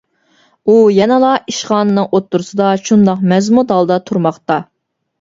ئۇ يەنىلا ئىشخانىنىڭ ئوتتۇرىسىدا شۇنداق مەزمۇت ھالدا تۇرماقتا.